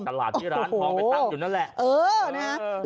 ตลาดที่ร้านทองไปตั้งอยู่นั่นแหละ